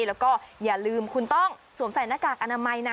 แล้วก็อย่าลืมคุณต้องสวมใส่หน้ากากอนามัยนะ